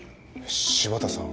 柴田さん